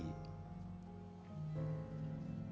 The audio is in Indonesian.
mbak erina akan memasang cin cin untuk suami